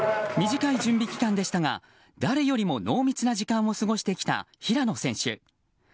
短い準備期間でしたが誰よりも濃密な時間を過ごしてきた平野選手。